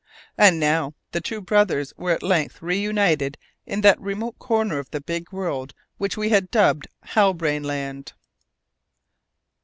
And now the two brothers were at length reunited in that remote corner of the big world which we had dubbed Halbrane Land.